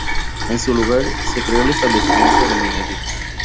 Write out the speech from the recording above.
En su lugar, se creó un "Establecimiento de Minería".